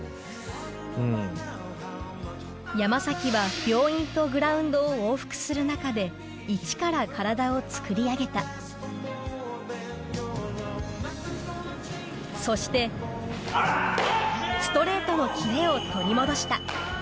山は病院とグラウンドを往復する中でいちから体をつくり上げたそしてストレートのキレを取り戻した